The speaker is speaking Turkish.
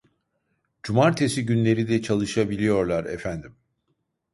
Cumartesi günleri de çalışabiliyorlar efendim